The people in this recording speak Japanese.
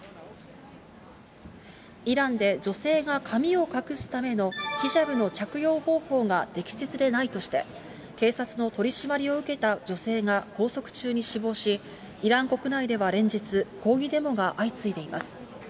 イランで女性が髪を隠すためのヒジャブの着用方法が適切でないとして、警察の取締りを受けた女性が拘束中に死亡し、イラン国内では連日、抗議デモが相次いでいます。